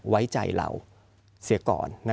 ไว้ใจเราเสียก่อน